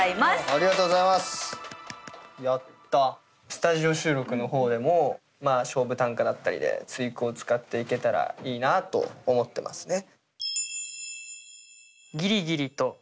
スタジオ収録の方でも勝負短歌だったりで対句を使っていけたらいいなと思ってますね。